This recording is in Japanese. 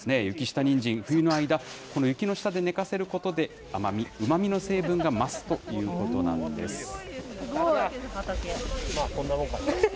雪下にんじん、冬の間、この雪の下で寝かせることで、甘み、うまみの成分が増すということなんです。